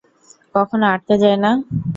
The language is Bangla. কখনো আটকে যায় না?